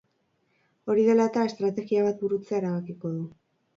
Hori dela eta, estrategia bat burutzea erabakiko du.